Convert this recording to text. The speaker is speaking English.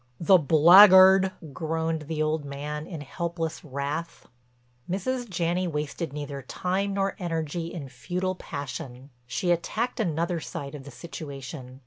"The blackguard!" groaned the old man in helpless wrath. Mrs. Janney wasted neither time nor energy in futile passion. She attacked another side of the situation.